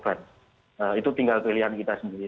itu yang kita korban itu tinggal pilihan kita sendiri